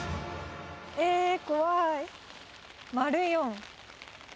えぇ怖い。